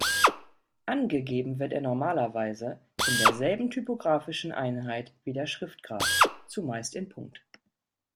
Angegeben wird er normalerweise in derselben typografischen Einheit wie der Schriftgrad, zumeist in Punkt.